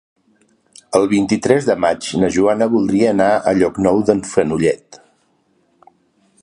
El vint-i-tres de maig na Joana voldria anar a Llocnou d'en Fenollet.